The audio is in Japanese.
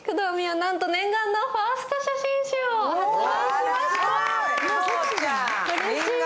なんと念願のファースト写真集を発売しました。